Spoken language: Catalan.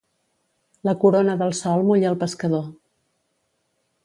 La corona del sol mulla el pescador.